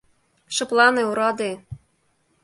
Шыплане, ораде!